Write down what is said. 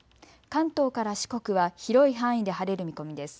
関東から四国は広い範囲で晴れる見込みです。